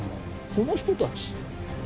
この人たち。